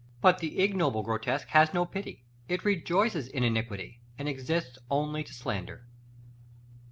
But the ignoble grotesque has no pity: it rejoices in iniquity, and exists only to slander.